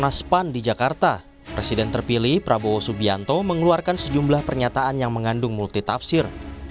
pas pan di jakarta presiden terpilih prabowo subianto mengeluarkan sejumlah pernyataan yang mengandung multitafsir